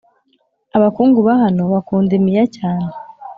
abakungu bahano bakunda imiya cyane